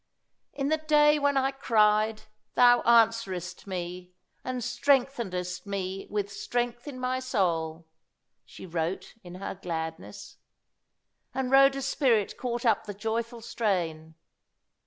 "In the day when I cried, Thou answeredst me, and strengthenedst me with strength in my soul," she wrote, in her gladness. And Rhoda's spirit caught up the joyful strain.